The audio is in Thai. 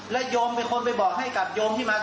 โยมเป็นคนไปบอกให้กับโยมที่มา